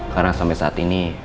karena sampai saat ini